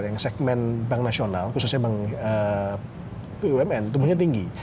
yang segmen bank nasional khususnya bank bumn tumbuhnya tinggi